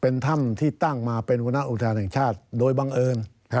เป็นท่ำที่ตั้งมาเป็นวุฒิยานชาติโดยบังเอิญ